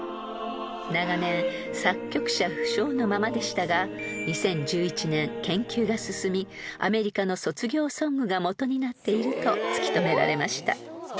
［長年作曲者不詳のままでしたが２０１１年研究が進みアメリカの卒業ソングがもとになっていると突き止められました］